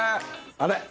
あれ？